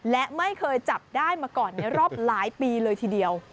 และไม่เคยจับได้มาก่อนในรอบหลายปีเลยทีเดียว